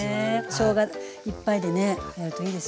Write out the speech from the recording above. しょうがいっぱいでねやるといいですよね。